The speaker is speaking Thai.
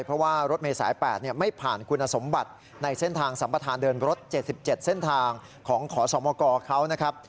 เพราะว่ารถเมษาย๘ไม่ผ่านคุณสมบัติในเส้นทางสัมประธานเดินรถ๗๗เส้นทางของขอสมกเขานะครับ